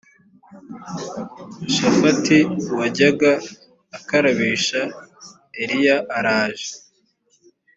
shafati wajyaga akarabisha eliya araje